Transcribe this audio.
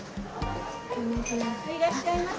いらっしゃいませ！